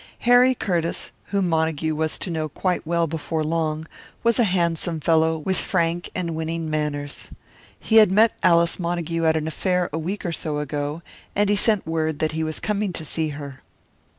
Harry Curtiss, whom Montague was to know quite well before long, was a handsome fellow, with frank and winning manners. He had met Alice Montague at an affair a week or so ago, and he sent word that he was coming to see her.